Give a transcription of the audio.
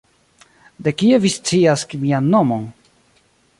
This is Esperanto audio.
De kie vi scias mian nomon?